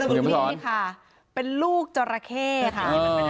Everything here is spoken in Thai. ลูกนี่ค่ะเป็นลูกจราเข้ค่ะ